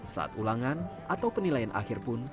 saat ulangan atau penilaian akhir pun